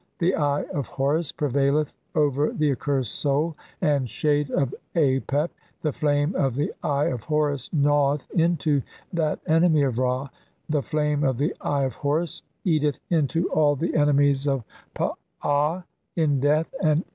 The Eye of "Horus prevaileth over the accursed soul and shade "of Apep, the flame of the Eye of Horus gnaweth into "that enemy of Ra, the flame of the Eye of Horus "eateth into all the enemies of P aa in death and in i.